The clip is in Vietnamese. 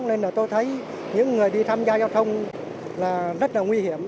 nên là tôi thấy những người đi tham gia giao thông là rất là nguy hiểm